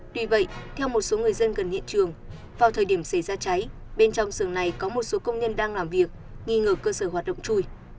tuy vậy theo một số người dân gần hiện trường vào thời điểm xảy ra cháy bên trong sườn này có một số công nhân đang làm việc nghi ngờ cơ sở hoạt động chui